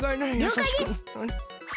りょうかいです！